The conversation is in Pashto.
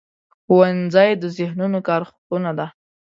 ښوونځی د ذهنونو کارخونه ده